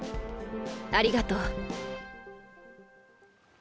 ・ありがとう。